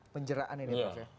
penjaraan ini ya